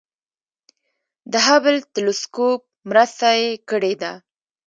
د هبل تلسکوپ مرسته یې کړې ده.